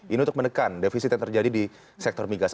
ini untuk menekan defisit yang terjadi di sektor migas